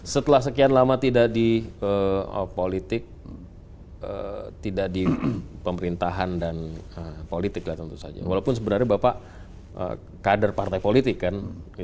setelah sekian lama tidak di politik tidak di pemerintahan dan politik lah tentu saja walaupun sebenarnya bapak kader partai politik kan